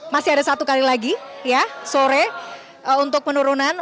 masih ada satu kali lagi ya sore untuk penurunan